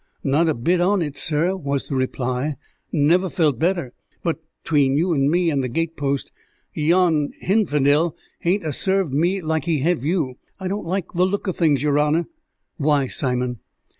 "Not a bit on it, sir," was the reply. "Never felt better. But 'tween you and me and the gatepost, yon hinfidel hain't a served me like he hev you. I don't like the look o' things, yer honour." "Why, Simon?"